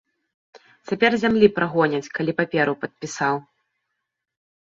Цяпер з зямлі прагоняць, калі паперу падпісаў.